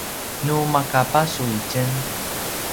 nu maka basu itjen